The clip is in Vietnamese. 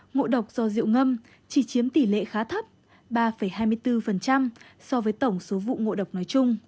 ngộ độc do rượu ngâm chỉ chiếm tỷ lệ khá thấp ba hai mươi bốn so với tổng số vụ ngộ độc nói chung